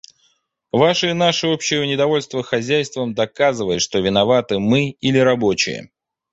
Ваше и наше общее недовольство хозяйством доказывает, что виноваты мы или рабочие.